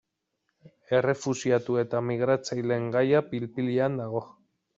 Errefuxiatu eta migratzaileen gaia pil-pilean dago.